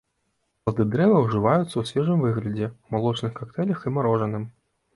Плады дрэва ўжываюцца ў свежым выглядзе, у малочных кактэйлях і марожаным.